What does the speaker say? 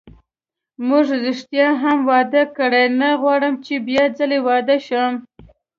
موږ ریښتیا هم واده کړی، نه غواړم چې بیا ځلي واده شم.